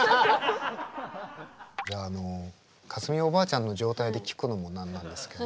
じゃああの架純おばあちゃんの状態で聞くのも何なんですけど。